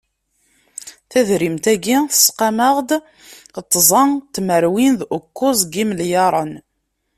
Tadrimit-agi tesqam-aɣ-d tẓa tmerwin d ukkuẓ n yimelyaṛen.